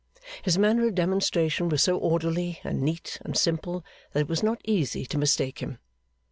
His manner of demonstration was so orderly and neat and simple, that it was not easy to mistake him.